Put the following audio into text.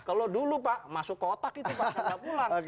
kalau dulu pak masuk kotak itu pak